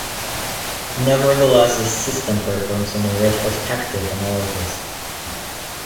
Nevertheless, this system performs only retrospective analysis.